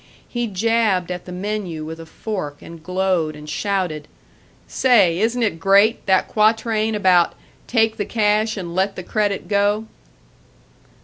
He jabbed at the menu with a fork and glowed and shouted, "Say, isn't it great, that quatrain about 'Take the cash and let the credit go'?"